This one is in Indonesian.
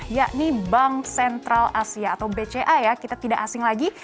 yakni bank sentral asia atau bca ya kita tidak asing lagi